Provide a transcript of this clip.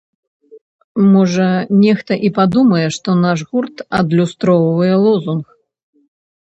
Можа, нехта і падумае, што наш гурт адлюстроўвае лозунг.